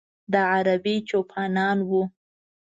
د ه عربي چوپانان و.